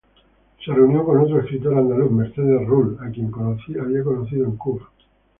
Se reunió con otro escritor andaluz, Mercedes Rull, a quien había conocido en Cuba.